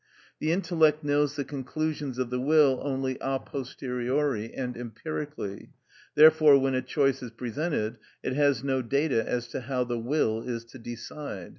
The intellect knows the conclusions of the will only a posteriori and empirically; therefore when a choice is presented, it has no data as to how the will is to decide.